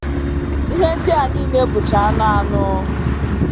Ihe ndị a niile bụcha anụ anụ